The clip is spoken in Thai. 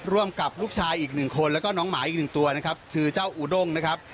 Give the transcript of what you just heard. ร่วมกับลูกชายอีกหนึ่งคนแล้วก็น้องหมาอีกหนึ่งตัวนะครับคือเจ้าอูด้งนะครับ